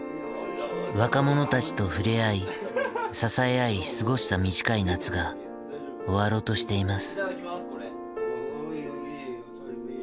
若者たちと触れ合い支え合い過ごした短い夏が終わろうとしています。